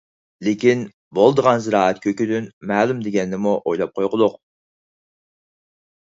لېكىن، بولىدىغان زىرائەت كۆكىدىن مەلۇم دېگەننىمۇ ئويلاپ قويغۇلۇق!